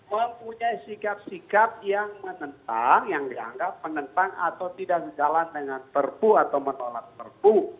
mempunyai sikap sikap yang menentang yang dianggap menentang atau tidak sejalan dengan perpu atau menolak perpu